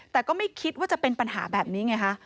แต่ก็ไม่คิดว่าจะเป็นปัญหาแบบนี้ไงคะ